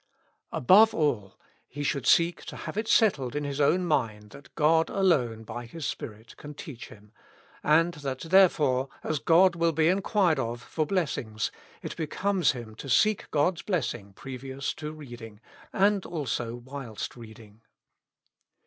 "Above all, he should seek to have it settled in his own mind that God alone by His Spirit can teach him, and that therefore, as God will be inquired of for blessings, it becomes him to seek God's blessing previous to reading, and also whilst reading.